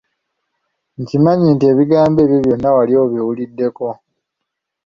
Nkimanyi nti ebigambo ebyo byonna wali obiwuliddeko.